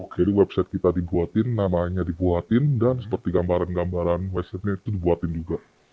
jadi website kita dibuatin namanya dibuatin dan seperti gambaran gambaran website ini dibuatin juga